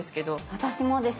私もです。